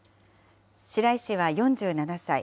白井氏は４７歳。